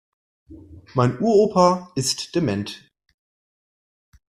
Mein Uropa ist dement.